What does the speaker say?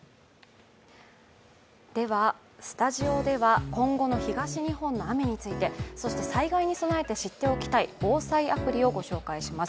スタジオでは、今後の東日本の雨について、そして災害に備えて知っておきたい防災アプリをご紹介します。